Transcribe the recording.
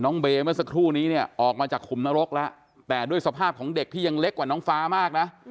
เบย์เมื่อสักครู่นี้เนี่ยออกมาจากขุมนรกแล้วแต่ด้วยสภาพของเด็กที่ยังเล็กกว่าน้องฟ้ามากนะ